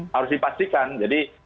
harus dipastikan jadi